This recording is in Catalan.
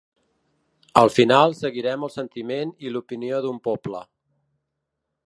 Al final seguirem el sentiment i l’opinió d’un poble.